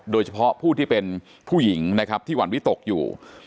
โดยเฉพาะผู้ที่เป็นผู้หญิงนะครับที่หวั่นวิตกอยู่